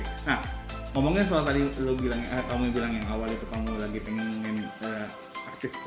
nah ngomongin soal tadi lo bilang eh kamu bilang yang awal itu kamu lagi pengen aktif